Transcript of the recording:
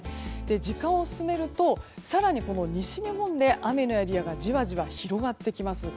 時間を進めると更にこの西日本で雨のエリアが、じわじわ広がってきます。